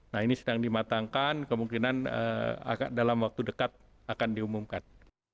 nah ini sedang dimatangkan kemungkinan dalam waktu dekat akan diumumkan